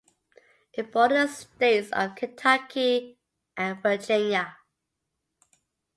It borders the states of Kentucky and Virginia.